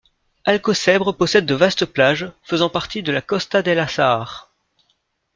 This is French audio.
Alcocebre possède de vastes plages, faisant partie de la Costa del Azahar.